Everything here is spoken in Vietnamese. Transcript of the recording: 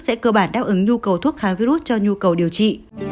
sẽ cơ bản đáp ứng nhu cầu thuốc kháng virus cho nhu cầu điều trị